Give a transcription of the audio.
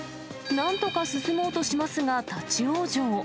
なんとか進もうとしますが、立往生。